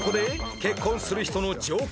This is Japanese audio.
結婚する人の条件？